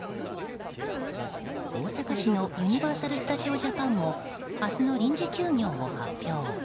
大阪市のユニバーサル・スタジオ・ジャパンも明日の臨時休業を発表。